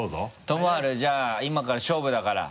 知治じゃあ今から勝負だから。